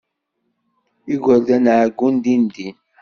Igerdan ɛeyyun dindin.